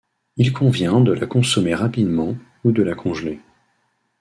Il convient de la consommer rapidement ou de la congeler.